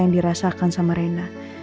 yang dirasakan sama reina